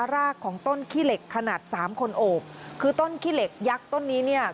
รากของต้นขี้เหล็กขนาดสามคนโอบคือต้นขี้เหล็กยักษ์ต้นนี้เนี่ย